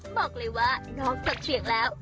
บอกเลยว่าน้องเก็บเชียร์แล้ว